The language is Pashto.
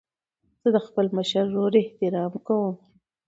زه د خپل مشر ورور احترام کوم.